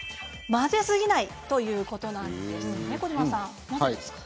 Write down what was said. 混ぜすぎないということです。